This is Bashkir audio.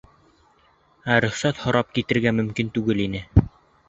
Ә рөхсәт һорап китергә мөмкин түгел ине.